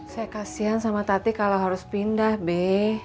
saya kasihan sama tati kalau harus pindah be